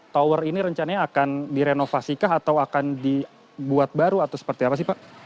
tower ini rencananya akan direnovasikah atau akan dibuat baru atau seperti apa sih pak